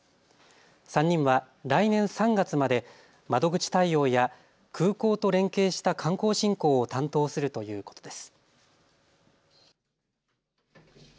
３人は来年３月まで窓口対応や空港と連携した観光振興を担当するということです。